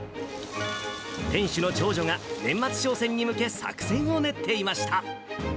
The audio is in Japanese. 店主の長女が、年末商戦に向け、作戦を練っていました。